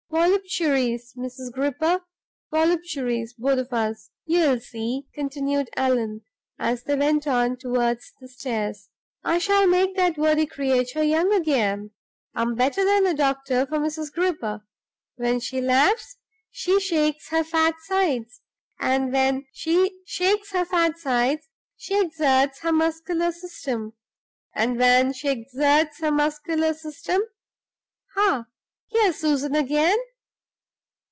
Voluptuaries, Mrs. Gripper, voluptuaries, both of us. You'll see," continued Allan, as they went on toward the stairs, "I shall make that worthy creature young again; I'm better than a doctor for Mrs. Gripper. When she laughs, she shakes her fat sides, and when she shakes her fat sides, she exerts her muscular system; and when she exerts her muscular system Ha! here's Susan again.